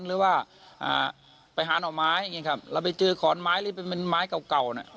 หรือว่าไปหาหน่อไม้อย่างนี้ครับเราไปเจอขอนไม้หรือเป็นไม้เก่าเก่าน่ะ